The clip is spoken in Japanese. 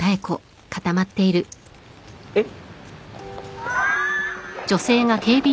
えっ？